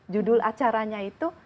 judul acaranya itu